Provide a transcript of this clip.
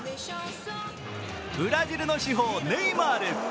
ブラジルの至宝、ネイマール。